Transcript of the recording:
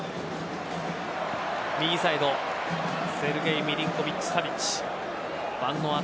右サイド、セルゲイ・ミリンコヴィッチ・サヴィッチ。